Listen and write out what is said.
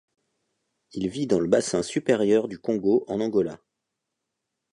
Il vit dans le bassin supérieur du Congo en Angola.